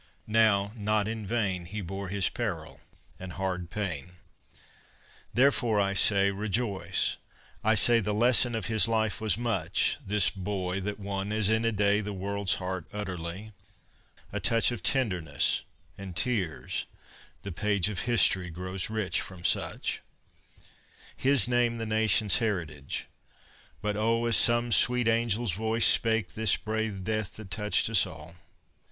Now, not in vain He bore his peril and hard pain. IV Therefore, I say, rejoice! I say, The lesson of his life was much, This boy that won, as in a day, The world's heart utterly; a touch Of tenderness and tears: the page Of history grows rich from such; His name the nation's heritage, But oh! as some sweet angel's voice Spake this brave death that touched us all.